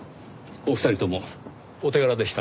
お二人ともお手柄でしたね。